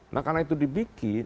nah karena itu dibikin